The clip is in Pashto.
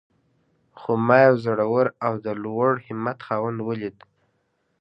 خو ما يو زړور او د لوړ همت خاوند وليد.